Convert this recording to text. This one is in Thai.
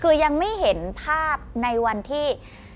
คือยังไม่เห็นภาพในวันที่